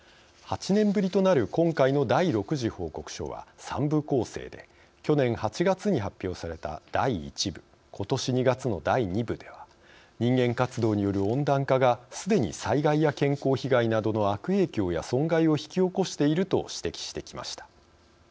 ８年ぶりとなる今回の第６次報告書は３部構成で去年８月に発表された第１部ことし２月の第２部では人間活動による温暖化がすでに災害や健康被害などの悪影響や損害を引き起こしていると指摘してきました。